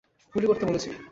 গুলি করতে বলেছি।